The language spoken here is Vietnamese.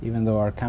và sau đó